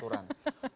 ternyata banyak bolong